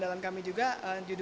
tim utama uang